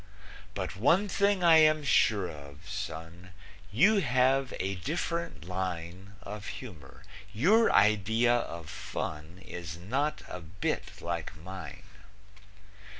But one thing I am sure of, son, You have a different line Of humor, your idea of fun Is not a bit like mine.